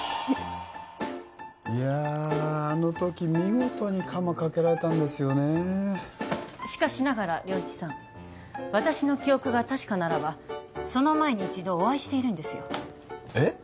いやあのとき見事にカマかけられたんですよねしかしながら良一さん私の記憶が確かならばその前に一度お会いしているんですよえっ？